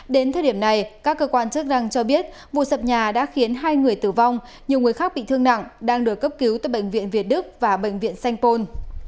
đến thời điểm này các cơ quan chức năng cho biết vụ sập nhà đã khiến hai người tử vong nhiều người khác bị thương nặng đang được cấp cứu tại bệnh viện việt đức và bệnh viện sanh pôn